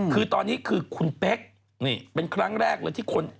คือตอนนี้คือคุณเป๊กนี่เป็นครั้งแรกเลยที่คน